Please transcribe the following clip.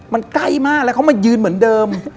มันใกล้มากแล้วเขามายืนเหมือนเดิม